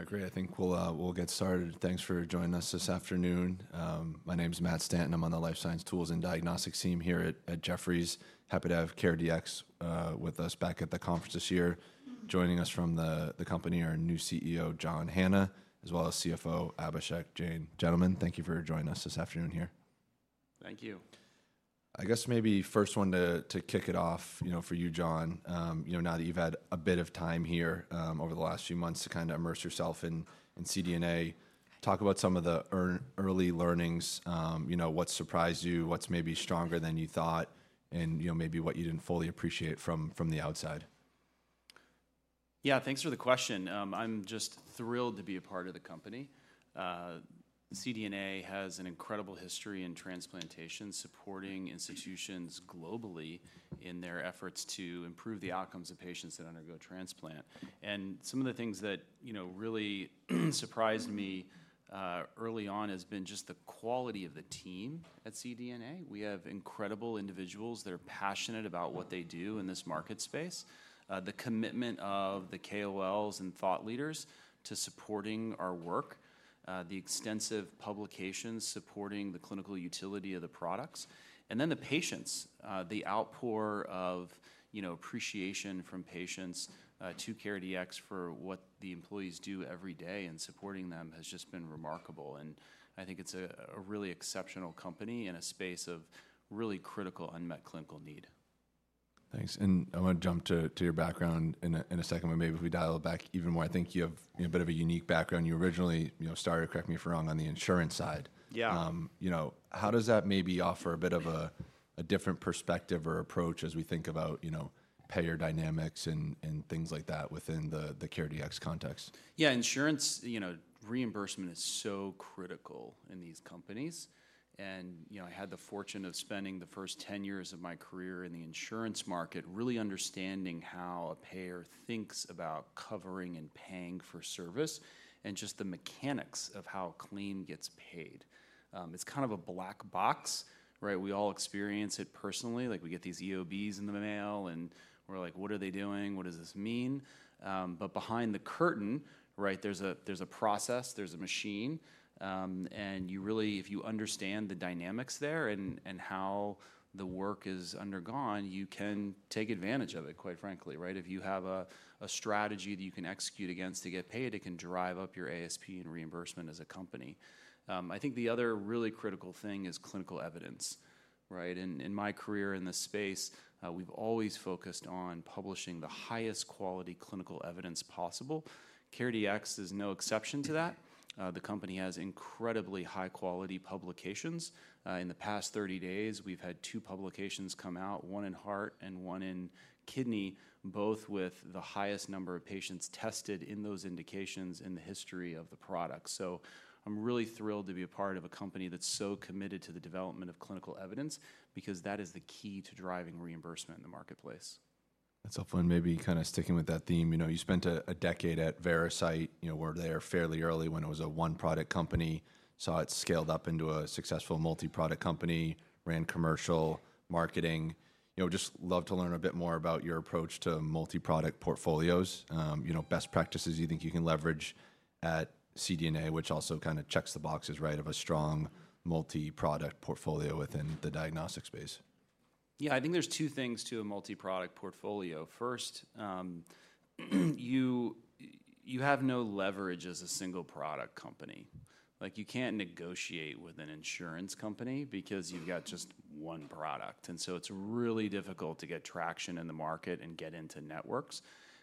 All right, great. I think we'll get started. Thanks for joining us this afternoon. My name's Matt Stanton. I'm on the Life Science Tools and Diagnostics team here at Jefferies. Happy to have CareDx with us back at the conference this year. Joining us from the company, our new CEO, John Hanna, as well as CFO, Abhishek Jain. Gentlemen, thank you for joining us this afternoon here. Thank you. I guess maybe first one to, to kick it off, you know, for you, John. You know, now that you've had a bit of time here, over the last few months to kind of immerse yourself in, in CareDx, talk about some of the early learnings. You know, what surprised you? What's maybe stronger than you thought, and, you know, maybe what you didn't fully appreciate from, from the outside? Yeah, thanks for the question. I'm just thrilled to be a part of the company. CareDx has an incredible history in transplantation, supporting institutions globally in their efforts to improve the outcomes of patients that undergo transplant. And some of the things that, you know, really surprised me early on has been just the quality of the team at CareDx. We have incredible individuals that are passionate about what they do in this market space, the commitment of the KOLs and thought leaders to supporting our work, the extensive publications supporting the clinical utility of the products, and then the patients. The outpour of, you know, appreciation from patients to CareDx for what the employees do every day, and supporting them has just been remarkable, and I think it's a, a really exceptional company in a space of really critical unmet clinical need. Thanks. And I want to jump to your background in a second, but maybe if we dial it back even more. I think you have, you know, a bit of a unique background. You originally, you know, started, correct me if I'm wrong, on the insurance side. Yeah. You know, how does that maybe offer a bit of a different perspective or approach as we think about, you know, payer dynamics and things like that within the CareDx context? Yeah, insurance, you know, reimbursement is so critical in these companies and, you know, I had the fortune of spending the first 10 years of my career in the insurance market, really understanding how a payer thinks about covering and paying for service and just the mechanics of how a claim gets paid. It's kind of a black box, right? We all experience it personally. Like, we get these EOBs in the mail, and we're like: "What are they doing? What does this mean?" But behind the curtain, right, there's a process, there's a machine. And you really, if you understand the dynamics there and how the work is undergone, you can take advantage of it, quite frankly, right? If you have a strategy that you can execute against to get paid, it can drive up your ASP and reimbursement as a company. I think the other really critical thing is clinical evidence, right? In my career, in this space, we've always focused on publishing the highest quality clinical evidence possible. CareDx is no exception to that. The company has incredibly high-quality publications. In the past 30 days, we've had two publications come out, one in heart and one in kidney, both with the highest number of patients tested in those indications in the history of the product. So I'm really thrilled to be a part of a company that's so committed to the development of clinical evidence, because that is the key to driving reimbursement in the marketplace. That's helpful, and maybe kind of sticking with that theme. You know, you spent a decade at Veracyte. You know, were there fairly early when it was a one-product company, saw it scaled up into a successful multi-product company, ran commercial, marketing. You know, just love to learn a bit more about your approach to multi-product portfolios. You know, best practices you think you can leverage at CDNA, which also kind of checks the boxes, right, of a strong multi-product portfolio within the diagnostic space. Yeah, I think there's two things to a multi-product portfolio. First, you have no leverage as a single-product company. Like, you can't negotiate with an insurance company because you've got just one product, and so it's really difficult to get traction in the market and get into networks.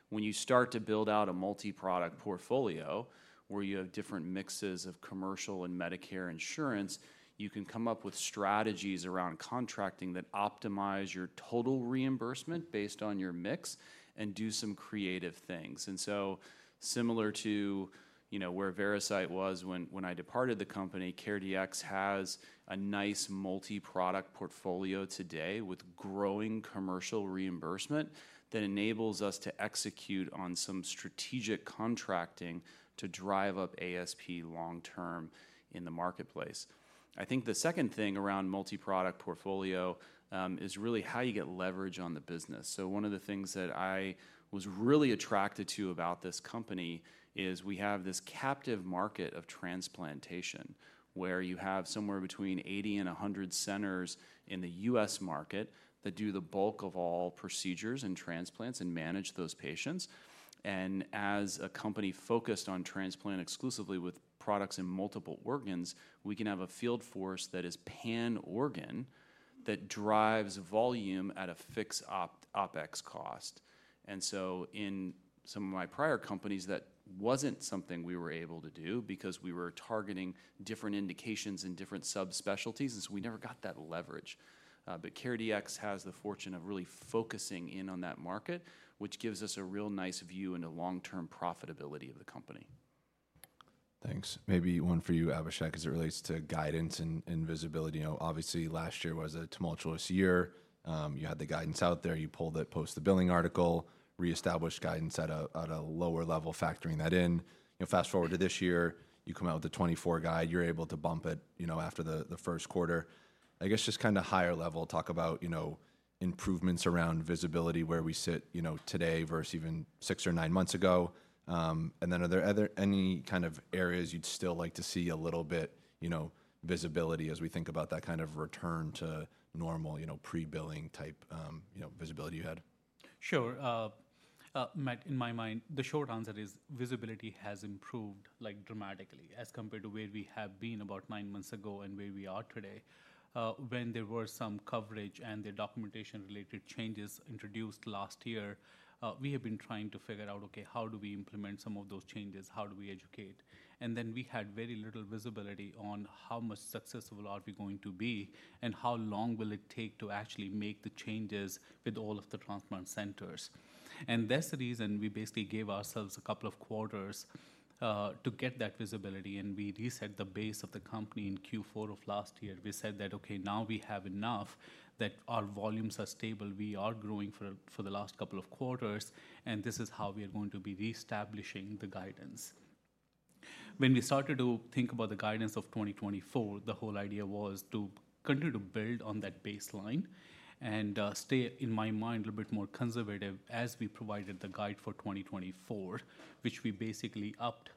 When you start to build out a multi-product portfolio, where you have different mixes of commercial and Medicare insurance, you can come up with strategies around contracting that optimize your total reimbursement based on your mix and do some creative things. And so similar to, you know, where Veracyte was when I departed the company, CareDx has a nice multi-product portfolio today with growing commercial reimbursement that enables us to execute on some strategic contracting to drive up ASP long term in the marketplace. I think the second thing around multi-product portfolio is really how you get leverage on the business. So one of the things that I was really attracted to about this company is we have this captive market of transplantation, where you have somewhere between 80 and 100 centers in the U.S. market that do the bulk of all procedures and transplants and manage those patients. And as a company focused on transplant exclusively with products in multiple organs, we can have a field force that is pan-organ, that drives volume at a fixed OpEx cost. And so in some of my prior companies, that wasn't something we were able to do because we were targeting different indications and different subspecialties, and so we never got that leverage. CareDx has the fortune of really focusing in on that market, which gives us a real nice view into long-term profitability of the company. Thanks. Maybe one for you, Abhishek, as it relates to guidance and visibility. You know, obviously, last year was a tumultuous year. You had the guidance out there, you pulled it, post the billing article, reestablished guidance at a lower level, factoring that in. You know, fast-forward to this year, you come out with the 2024 guide, you're able to bump it, you know, after the first quarter. I guess just kind of higher level, talk about, you know, improvements around visibility, where we sit, you know, today versus even six or nine months ago. And then are there any kind of areas you'd still like to see a little bit, you know, visibility as we think about that kind of return to normal, you know, pre-billing type, you know, visibility you had?... Sure. In my mind, the short answer is visibility has improved, like, dramatically as compared to where we have been about nine months ago and where we are today. When there were some coverage and the documentation-related changes introduced last year, we have been trying to figure out, okay, how do we implement some of those changes? How do we educate? And then we had very little visibility on how much successful are we going to be, and how long will it take to actually make the changes with all of the transplant centers? And that's the reason we basically gave ourselves a couple of quarters to get that visibility, and we reset the base of the company in Q4 of last year. We said that, "Okay, now we have enough, that our volumes are stable. We are growing for the last couple of quarters, and this is how we are going to be reestablishing the guidance." When we started to think about the guidance of 2024, the whole idea was to continue to build on that baseline and stay, in my mind, a little bit more conservative as we provided the guide for 2024, which we basically upped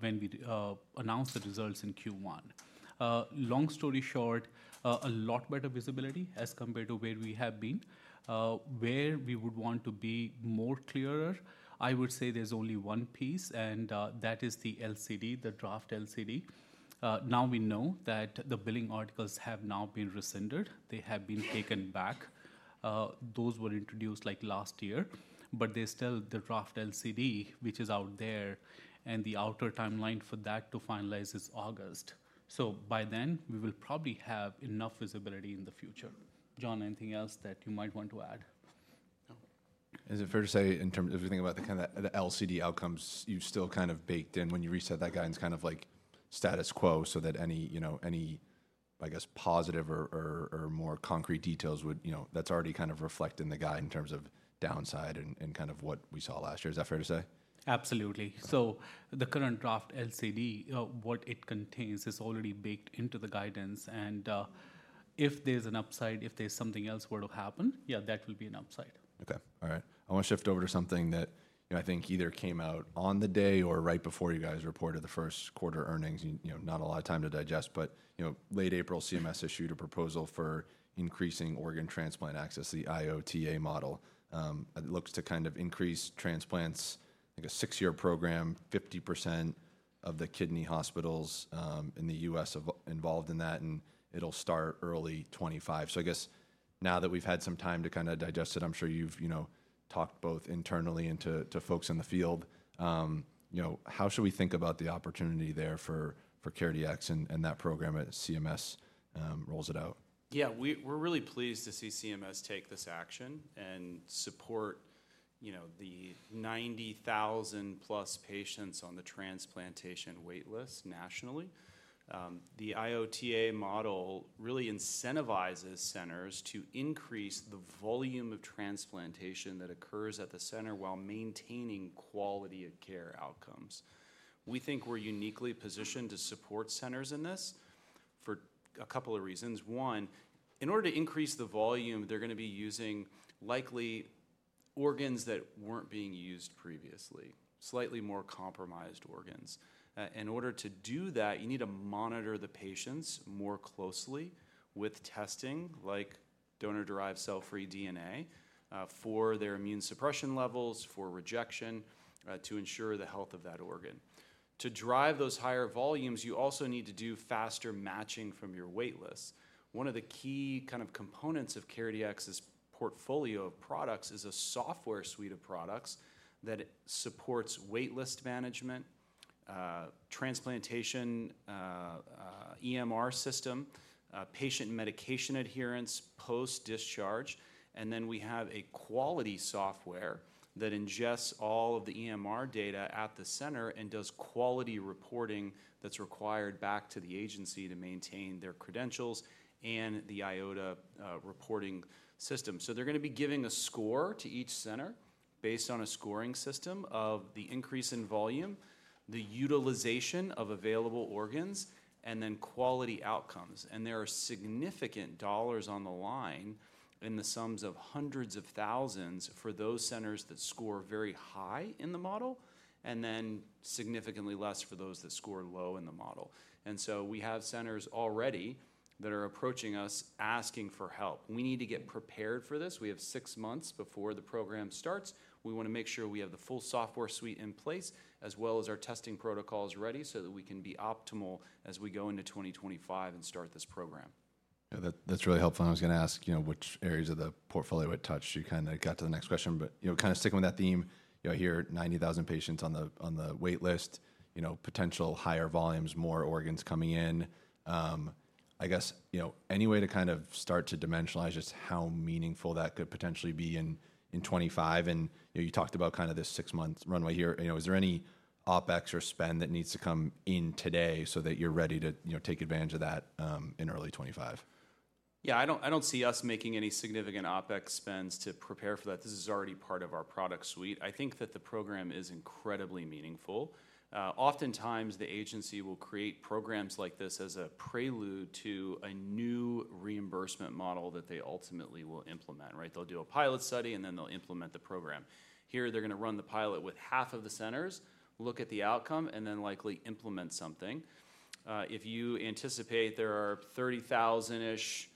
when we announced the results in Q1. Long story short, a lot better visibility as compared to where we have been. Where we would want to be more clearer, I would say there's only one piece, and that is the LCD, the draft LCD. Now we know that the billing articles have now been rescinded. They have been taken back. Those were introduced, like, last year, but there's still the draft LCD, which is out there, and the outer timeline for that to finalize is August. So by then, we will probably have enough visibility in the future. John, anything else that you might want to add? No. Is it fair to say in terms, if you think about the kind of the LCD outcomes, you've still kind of baked in when you reset that guidance, kind of like status quo, so that any, you know, any, I guess, positive or more concrete details would, you know, that's already kind of reflected in the guide in terms of downside and kind of what we saw last year. Is that fair to say? Absolutely. Okay. So the current draft LCD, what it contains is already baked into the guidance, and, if there's an upside, if there's something else were to happen, yeah, that will be an upside. Okay. All right. I want to shift over to something that, you know, I think either came out on the day or right before you guys reported the first quarter earnings. You know, not a lot of time to digest, but, you know, late April, CMS issued a proposal for increasing organ transplant access, the IOTA model. It looks to kind of increase transplants, like a six-year program, 50% of the kidney hospitals in the U.S. have involved in that, and it'll start early 2025. So I guess now that we've had some time to kind of digest it, I'm sure you've, you know, talked both internally and to folks in the field. You know, how should we think about the opportunity there for CareDx and that program as CMS rolls it out? Yeah, we're really pleased to see CMS take this action and support, you know, the 90,000+ patients on the transplantation wait list nationally. The IOTA model really incentivizes centers to increase the volume of transplantation that occurs at the center while maintaining quality of care outcomes. We think we're uniquely positioned to support centers in this for a couple of reasons. One, in order to increase the volume, they're gonna be using likely organs that weren't being used previously, slightly more compromised organs. In order to do that, you need to monitor the patients more closely with testing, like donor-derived cell-free DNA, for their immune suppression levels, for rejection, to ensure the health of that organ. To drive those higher volumes, you also need to do faster matching from your wait list. One of the key kind of components of CareDx's portfolio of products is a software suite of products that supports wait list management, transplantation, EMR system, patient medication adherence, post-discharge. And then we have a quality software that ingests all of the EMR data at the center and does quality reporting that's required back to the agency to maintain their credentials and the IOTA reporting system. So they're gonna be giving a score to each center based on a scoring system of the increase in volume, the utilization of available organs, and then quality outcomes. And there are significant dollars on the line in the sums of hundreds of thousands for those centers that score very high in the model, and then significantly less for those that score low in the model. And so we have centers already that are approaching us, asking for help. We need to get prepared for this. We have six months before the program starts. We wanna make sure we have the full software suite in place, as well as our testing protocols ready, so that we can be optimal as we go into 2025 and start this program. Yeah, that, that's really helpful. I was gonna ask, you know, which areas of the portfolio it touched. You kinda got to the next question, but, you know, kinda sticking with that theme, you know, I hear 90,000 patients on the, on the wait list, you know, potential higher volumes, more organs coming in. I guess, you know, any way to kind of start to dimensionalize just how meaningful that could potentially be in, in 2025? And, you know, you talked about kind of this six-month runway here. You know, is there any OpEx or spend that needs to come in today so that you're ready to, you know, take advantage of that, in early 2025? Yeah, I don't, I don't see us making any significant OpEx spends to prepare for that. This is already part of our product suite. I think that the program is incredibly meaningful. Oftentimes, the agency will create programs like this as a prelude to a new reimbursement model that they ultimately will implement, right? They'll do a pilot study, and then they'll implement the program... here, they're gonna run the pilot with half of the centers, look at the outcome, and then likely implement something. If you anticipate there are 30,000-ish,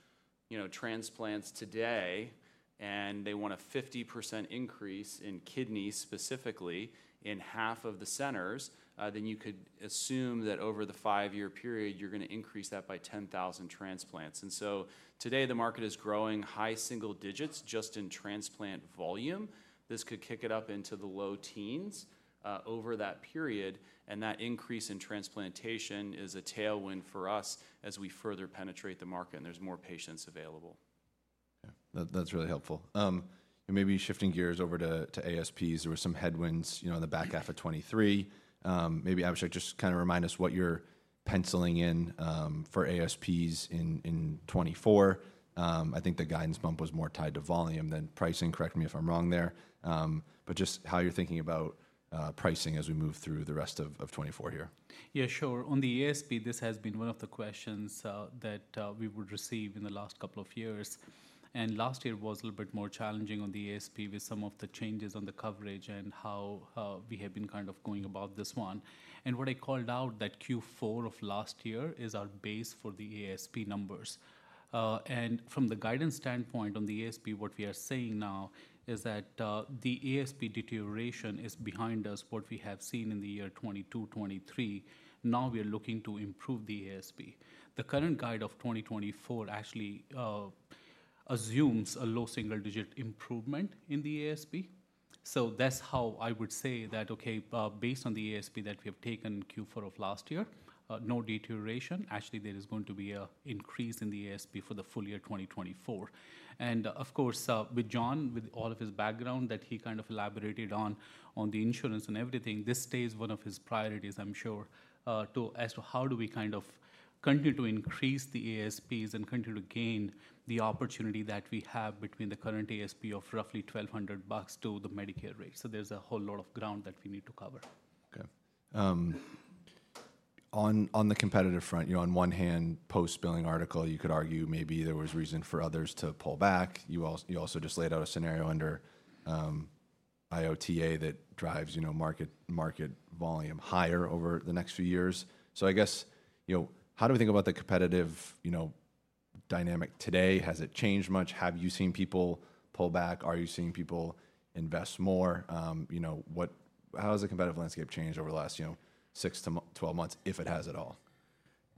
you know, transplants today, and they want a 50% increase in kidneys, specifically in half of the centers, then you could assume that over the 5-year period, you're gonna increase that by 10,000 transplants. And so today, the market is growing high single digits just in transplant volume. This could kick it up into the low teens over that period, and that increase in transplantation is a tailwind for us as we further penetrate the market and there's more patients available. Yeah, that, that's really helpful. And maybe shifting gears over to, to ASPs, there were some headwinds, you know, in the back half of 2023. Maybe, Abhishek, just kind of remind us what you're penciling in, for ASPs in, in 2024. I think the guidance bump was more tied to volume than pricing. Correct me if I'm wrong there. But just how you're thinking about, pricing as we move through the rest of, of 2024 here. Yeah, sure. On the ASP, this has been one of the questions that we would receive in the last couple of years. Last year was a little bit more challenging on the ASP with some of the changes on the coverage and how we have been kind of going about this one. What I called out that Q4 of last year is our base for the ASP numbers. From the guidance standpoint on the ASP, what we are saying now is that the ASP deterioration is behind us, what we have seen in the year 2022, 2023. Now we are looking to improve the ASP. The current guide of 2024 actually assumes a low single-digit improvement in the ASP. So that's how I would say that, okay, based on the ASP that we have taken Q4 of last year, no deterioration. Actually, there is going to be a increase in the ASP for the full year 2024. And of course, with John, with all of his background that he kind of elaborated on, on the insurance and everything, this stays one of his priorities, I'm sure, to as to how do we kind of continue to increase the ASPs and continue to gain the opportunity that we have between the current ASP of roughly $1,200 to the Medicare rate. So there's a whole lot of ground that we need to cover. Okay. On the competitive front, you know, on one hand, post-billing article, you could argue maybe there was reason for others to pull back. You also just laid out a scenario under IOTA that drives, you know, market volume higher over the next few years. So I guess, you know, how do we think about the competitive, you know, dynamic today? Has it changed much? Have you seen people pull back? Are you seeing people invest more? You know, what... How has the competitive landscape changed over the last, you know, six to twelve months, if it has at all?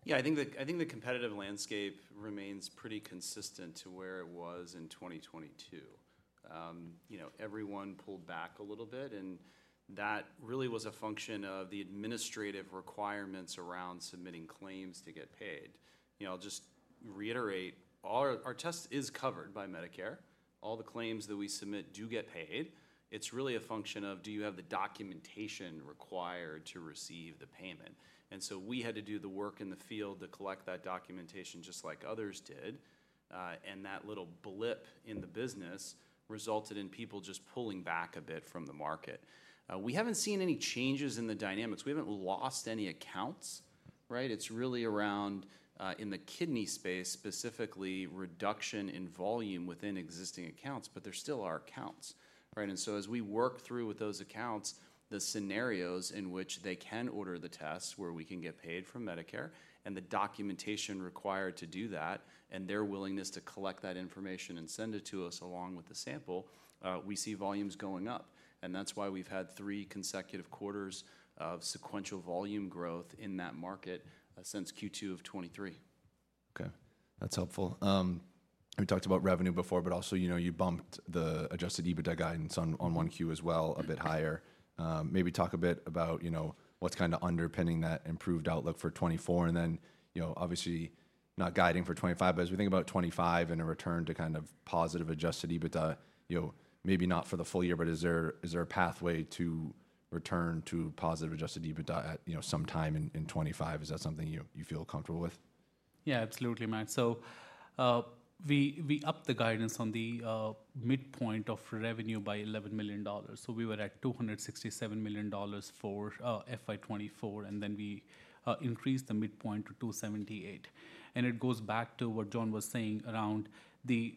Yeah, I think the competitive landscape remains pretty consistent to where it was in 2022. You know, everyone pulled back a little bit, and that really was a function of the administrative requirements around submitting claims to get paid. You know, I'll just reiterate, all our, our test is covered by Medicare. All the claims that we submit do get paid. It's really a function of: do you have the documentation required to receive the payment? And so we had to do the work in the field to collect that documentation, just like others did, and that little blip in the business resulted in people just pulling back a bit from the market. We haven't seen any changes in the dynamics. We haven't lost any accounts, right? It's really around, in the kidney space, specifically, reduction in volume within existing accounts, but they still are accounts, right? And so as we work through with those accounts, the scenarios in which they can order the tests, where we can get paid from Medicare, and the documentation required to do that, and their willingness to collect that information and send it to us along with the sample, we see volumes going up. And that's why we've had three consecutive quarters of sequential volume growth in that market, since Q2 of 2023. Okay, that's helpful. We talked about revenue before, but also, you know, you bumped the adjusted EBITDA guidance on 1Q as well, a bit higher. Maybe talk a bit about, you know, what's kind of underpinning that improved outlook for 2024, and then, you know, obviously, not guiding for 2025, but as we think about 2025 and a return to kind of positive adjusted EBITDA, you know, maybe not for the full year, but is there a pathway to return to positive adjusted EBITDA at, you know, sometime in 2025? Is that something you feel comfortable with? Yeah, absolutely, Matt. So, we upped the guidance on the midpoint of revenue by $11 million. So we were at $267 million for FY 2024, and then we increased the midpoint to $278 million. And it goes back to what John was saying around the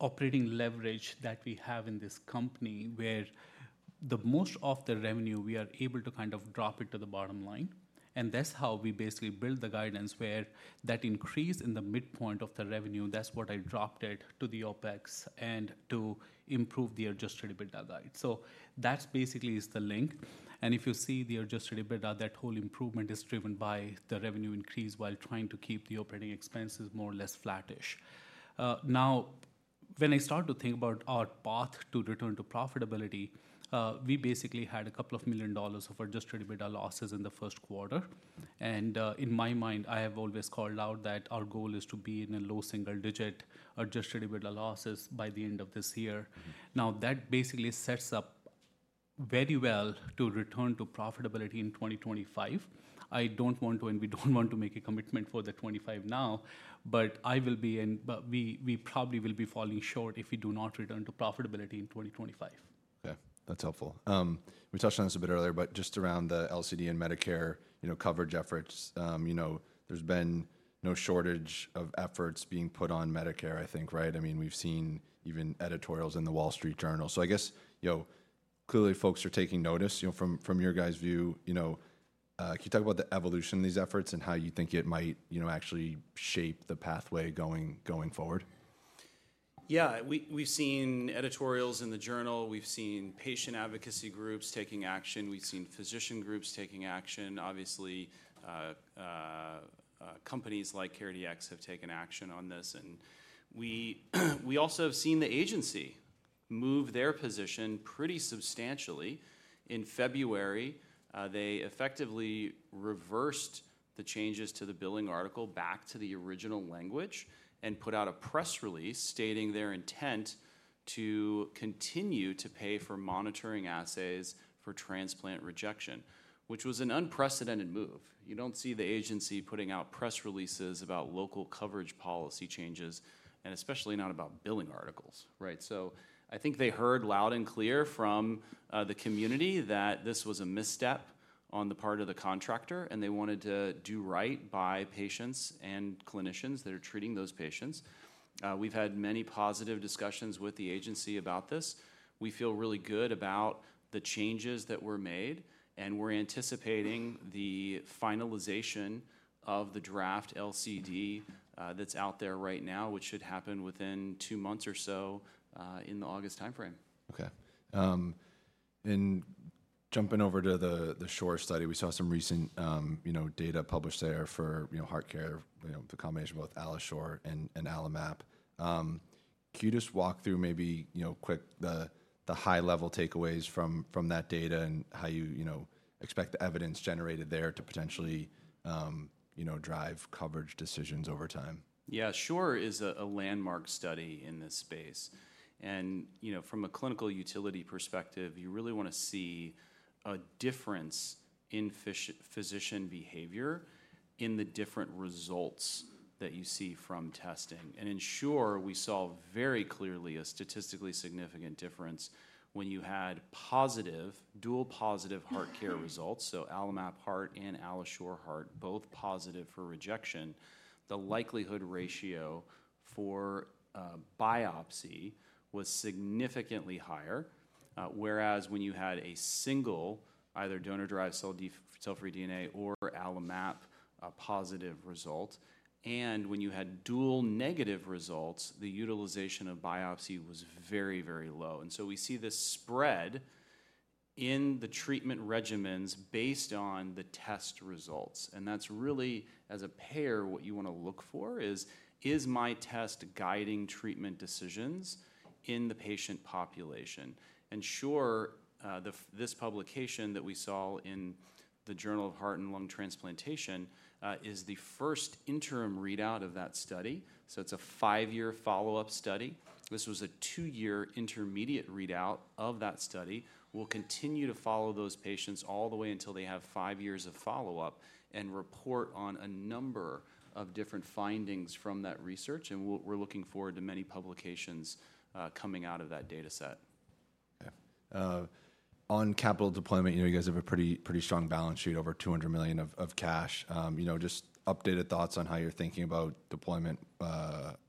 operating leverage that we have in this company, where the most of the revenue, we are able to kind of drop it to the bottom line. And that's how we basically build the guidance, where that increase in the midpoint of the revenue, that's what I dropped it to the OpEx and to improve the adjusted EBITDA guide. So that's basically is the link. And if you see the adjusted EBITDA, that whole improvement is driven by the revenue increase while trying to keep the operating expenses more or less flattish. Now, when I start to think about our path to return to profitability, we basically had $2 million of adjusted EBITDA losses in the first quarter. In my mind, I have always called out that our goal is to be in low single-digit adjusted EBITDA losses by the end of this year. Mm-hmm. Now, that basically sets up very well to return to profitability in 2025. I don't want to, and we don't want to make a commitment for 2025 now, but we probably will be falling short if we do not return to profitability in 2025. Okay, that's helpful. We touched on this a bit earlier, but just around the LCD and Medicare, you know, coverage efforts, you know, there's been no shortage of efforts being put on Medicare, I think, right? I mean, we've seen even editorials in The Wall Street Journal. So I guess, you know, clearly folks are taking notice. You know, from your guys' view, you know, can you talk about the evolution of these efforts and how you think it might, you know, actually shape the pathway going forward? Yeah, we, we've seen editorials in the journal, we've seen patient advocacy groups taking action, we've seen physician groups taking action. Obviously, companies like CareDx have taken action on this, and we also have seen the agency move their position pretty substantially. In February, they effectively reversed the changes to the billing article back to the original language and put out a press release stating their intent to continue to pay for monitoring assays for transplant rejection, which was an unprecedented move. You don't see the agency putting out press releases about local coverage policy changes, and especially not about billing articles, right? So I think they heard loud and clear from the community that this was a misstep on the part of the contractor, and they wanted to do right by patients and clinicians that are treating those patients. We've had many positive discussions with the agency about this. We feel really good about the changes that were made, and we're anticipating the finalization of the draft LCD, that's out there right now, which should happen within two months or so, in the August timeframe. Okay. And jumping over to the SURE study, we saw some recent, you know, data published there for, you know, HeartCare, you know, the combination of both AlloSure and AlloMap. Can you just walk through maybe, you know, quick, the high-level takeaways from that data and how you, you know, expect the evidence generated there to potentially, you know, drive coverage decisions over time? Yeah. SURE is a landmark study in this space, and, you know, from a clinical utility perspective, you really want to see a difference in physician behavior in the different results that you see from testing. And in SURE, we saw very clearly a statistically significant difference when you had positive, dual positive HeartCare results, so AlloMap-Heart and AlloSure-Heart, both positive for rejection, the likelihood ratio for a biopsy was significantly higher. Whereas when you had a single, either donor-derived cell-free DNA or AlloMap, a positive result, and when you had dual negative results, the utilization of biopsy was very, very low. And so we see this spread in the treatment regimens based on the test results, and that's really, as a payer, what you want to look for is: Is my test guiding treatment decisions in the patient population? SURE, this publication that we saw in the Journal of Heart and Lung Transplantation is the first interim readout of that study. It's a five-year follow-up study. This was a two-year intermediate readout of that study. We'll continue to follow those patients all the way until they have five years of follow-up and report on a number of different findings from that research, and we're looking forward to many publications coming out of that data set. Okay. On capital deployment, you know, you guys have a pretty, pretty strong balance sheet, over $200 million of, of cash. You know, just updated thoughts on how you're thinking about deployment,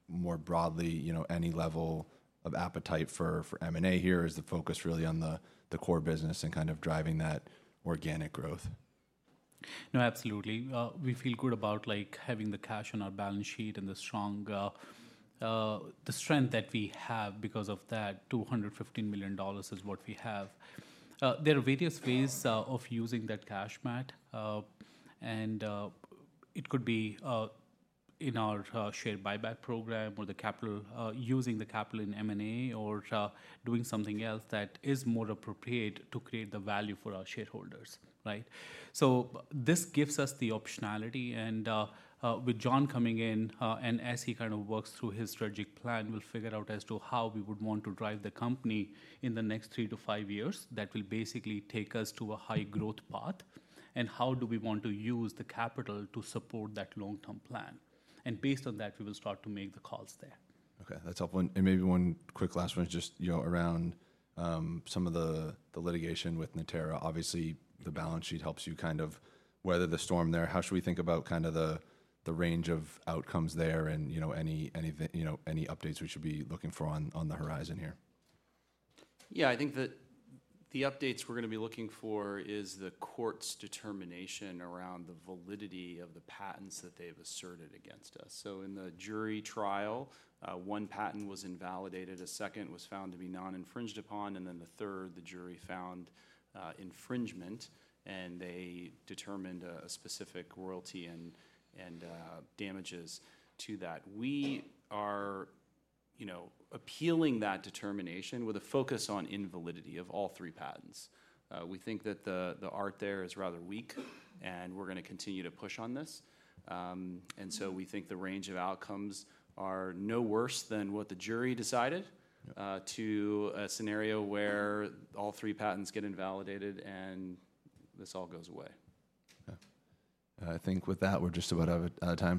more broadly, you know, any level of appetite for, for M&A here? Is the focus really on the, the core business and kind of driving that organic growth? No, absolutely. We feel good about, like, having the cash on our balance sheet and the strong, the strength that we have because of that. $215 million is what we have. There are various ways of using that cash, Matt, and it could be in our share buyback program, or the capital, using the capital in M&A, or doing something else that is more appropriate to create the value for our shareholders, right? So this gives us the optionality, and with John coming in, and as he kind of works through his strategic plan, we'll figure out as to how we would want to drive the company in the next 3-5 years. That will basically take us to a high growth path, and how do we want to use the capital to support that long-term plan? Based on that, we will start to make the calls there. Okay, that's helpful. And maybe one quick last one is just, you know, around some of the litigation with Natera. Obviously, the balance sheet helps you kind of weather the storm there. How should we think about kind of the range of outcomes there and, you know, any updates we should be looking for on the horizon here? Yeah, I think that the updates we're going to be looking for is the court's determination around the validity of the patents that they've asserted against us. So in the jury trial, one patent was invalidated, a second was found to be non-infringed upon, and then the third, the jury found infringement, and they determined a specific royalty and damages to that. We are, you know, appealing that determination with a focus on invalidity of all three patents. We think that the art there is rather weak, and we're going to continue to push on this. So we think the range of outcomes are no worse than what the jury decided- Yeah... to a scenario where all three patents get invalidated, and this all goes away. Okay. And I think with that, we're just about out of time.